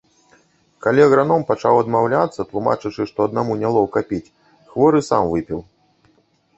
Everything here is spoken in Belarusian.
Калі аграном пачаў адмаўляцца, тлумачачы, што аднаму нялоўка піць, хворы сам выпіў.